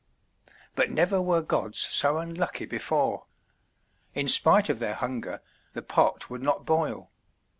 But never were gods so unlucky before! In spite of their hunger, the pot would not boil.